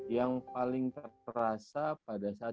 yang paling terasa pada saat